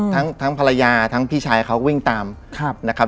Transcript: ทั้งภรรยาทั้งพี่ชายเขาก็วิ่งตามนะครับ